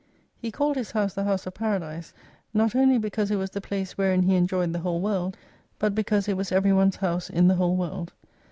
He called his house the house of Paradise : not only because it was the place wherein he enjoyed the whole world, but because it was every one's house in the whole world.